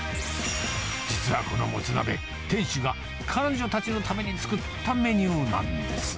実はこのモツ鍋、店主が彼女たちにために作ったメニューなんです。